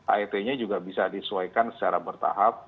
aet nya juga bisa disesuaikan secara bertahap